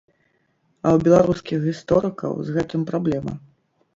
А ў беларускіх гісторыкаў з гэтым праблема.